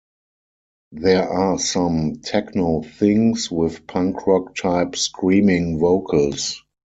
There are some techno things with punk-rock-type screaming vocals.